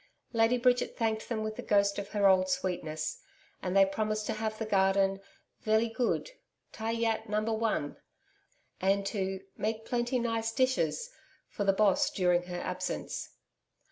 Lady Bridget thanked them with the ghost of her old sweetness, and they promised to have the garden 'velly good TAI YAT number one' and to 'make plenty nice dishes,' for the Boss during her absence.